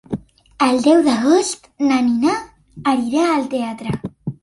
El deu d'agost na Nina irà al teatre.